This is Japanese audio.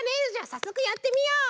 さっそくやってみよう。